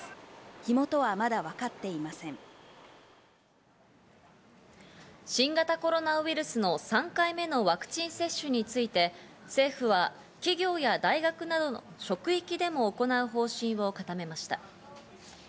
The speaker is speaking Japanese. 火元は新型コロナウイルスの３回目のワクチン接種について、政府は企業や大学などの職域でも行う方針を固めました。